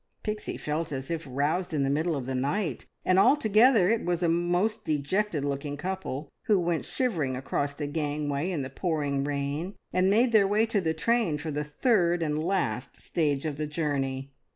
Pixie felt as if roused in the middle of the night, and altogether it was a most dejected looking couple who went shivering across the gangway in the pouring rain and made their way to the train for the third and last stage of the journey.